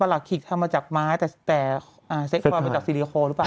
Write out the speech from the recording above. หลักขิกทำมาจากไม้แต่เซ็กซอลมาจากซีลิโคนหรือเปล่า